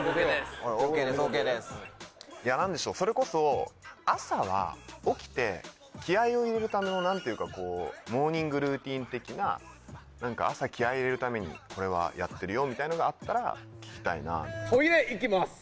何でしょうそれこそ朝は起きて気合を入れるためのモーニングルーティン的な何か朝気合を入れるためにこれはやってるよみたいのがあったら聞きたいなぁ。